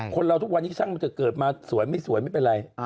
คนเราทุกวันนี้ช่างมันจะเกิดมาสวยไม่สวยไม่เป็นไร